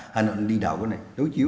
hà nội đi đạo với này